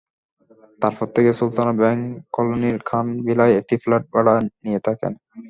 তারপর থেকে সুলতানা ব্যাংক কলোনির খান ভিলায় একটি ফ্ল্যাট ভাড়া নিয়ে থাকতেন।